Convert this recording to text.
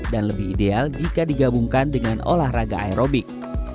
dan lebih ideal jika digabungkan dengan olahraga aerobik